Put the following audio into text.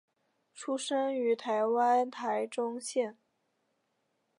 出生于台湾台中县。